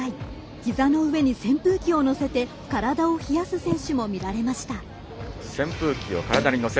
ひざの上に扇風機を乗せて体を冷やす選手も見られました。